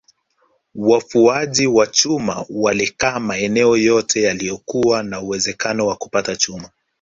Wafuaji wa chuma walikaa maeneo yote yaliyokuwa na uwezekano wa kupata chuma